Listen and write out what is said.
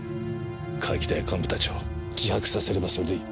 川北や幹部たちを自白させればそれでいい。